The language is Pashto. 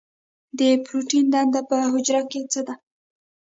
د پروټین دنده په حجره کې څه ده؟